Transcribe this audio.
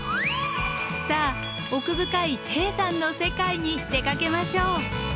さあ奥深い低山の世界に出かけましょう。